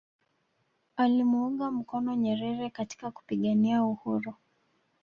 alimuunga mkono Nyerere katika kupigania uhuru